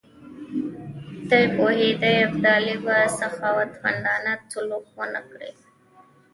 دی پوهېدی ابدالي به سخاوتمندانه سلوک ونه کړي.